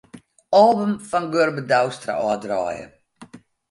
Album fan Gurbe Douwstra ôfdraaie.